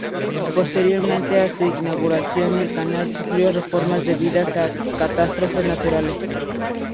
Posteriormente a su inauguración, el canal sufrió reformas debidas a catástrofes naturales.